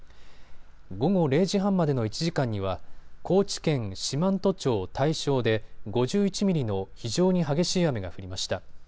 午後０時半までの１時間には高知県四万十町大正で５１ミリの非常に激しい雨が降りました。